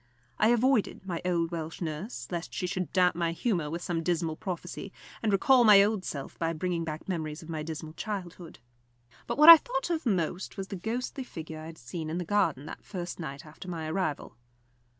I avoided my old Welsh nurse, lest she should damp my humour with some dismal prophecy, and recall my old self by bringing back memories of my dismal childhood. But what I thought of most was the ghostly figure I had seen in the garden that first night after my arrival.